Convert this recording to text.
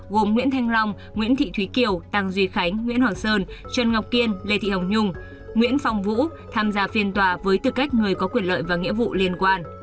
gồm nguyễn thanh long nguyễn thị thúy kiều tăng duy khánh nguyễn hoàng sơn trần ngọc kiên lê thị hồng nhung nguyễn phong vũ tham gia phiên tòa với tư cách người có quyền lợi và nghĩa vụ liên quan